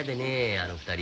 あの２人。